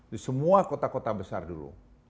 di semua kota kota besar dulu